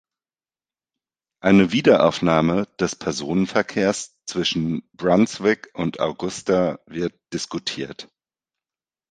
Eine Wiederaufnahme des Personenverkehrs zwischen Brunswick und Augusta wird diskutiert.